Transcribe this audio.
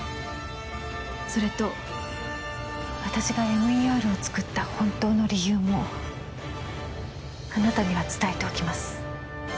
それと私がＭＥＲを作った本当の理由もあなたには伝えておきます